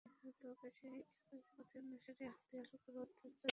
Shirley এবদোকে সেই একই পথের অনুসারী আখ্যায়িত করা মাত্রাতিরিক্ত শোনাবে না।